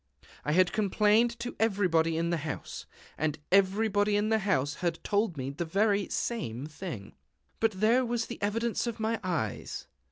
I had complained to everybody in the house; and everybody in the house had told me the very same thing. But there was the evidence of my eyes!